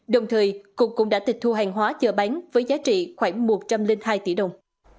đồng thời cục cũng đã tịch thu hàng hóa chờ bán với giá trị khoảng một trăm linh hai tỷ đồng